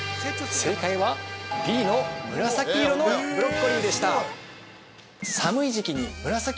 正解は、Ｂの紫色のブロッコリーでした。